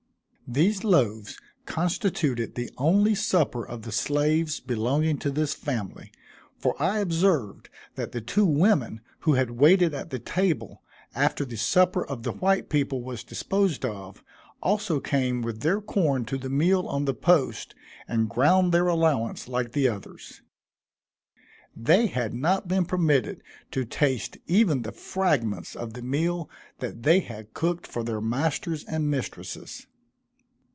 These loaves constituted the only supper of the slaves belonging to this family for I observed that the two women who had waited at the table, after the supper of the white people was disposed of, also came with their corn to the mill on the post and ground their allowance like the others. They had not been permitted to taste even the fragments of the meal that they had cooked for their masters and mistresses.